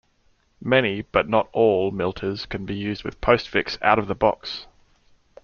Many, but not all, milters can be used with Postfix "out of the box".